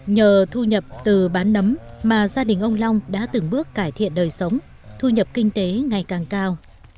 nhờ thu nhập từ bán nấm mà gia đình ông long đã từng bước cải thiện đời sống thu nhập kinh tế ngày càng cao